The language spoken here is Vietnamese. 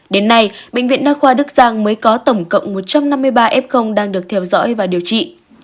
đến nay bệnh viện đa khoa đức giang mới có tổng cộng một trăm năm mươi ba f đang được theo dõi và điều trị